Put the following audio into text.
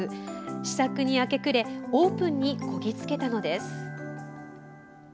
試作に明け暮れオープンにこぎつけたのです。